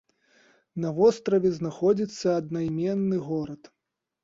На востраве знаходзіцца аднайменны горад.